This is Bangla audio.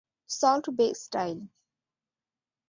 Salt Bae style.